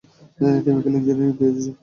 Chemical ইঞ্জিনিয়ারিংয়ে PhD.